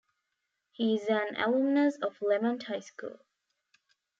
He is an alumnus of Lemont High School.